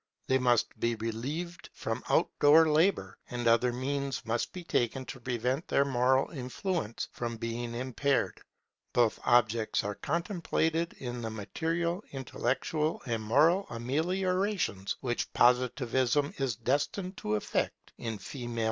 They must be relieved from out door labour; and other means must be taken to prevent their moral influence from being impaired. Both objects are contemplated in the material, intellectual, and moral ameliorations which Positivism is destined to effect in female life.